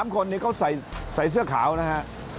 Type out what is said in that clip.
๓คนนี้เขาใส่เสื้อขาวนะฮะ